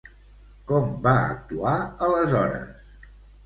Com va actuar aleshores?